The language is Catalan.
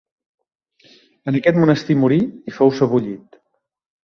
En aquest monestir morí i fou sebollit.